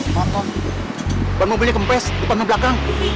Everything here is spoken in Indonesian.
pak tom ban mobilnya kempes di panah belakang